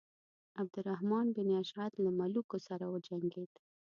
عبدالرحمن بن اشعث له ملوکو سره وجنګېد.